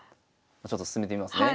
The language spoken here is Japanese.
ちょっと進めてみますね。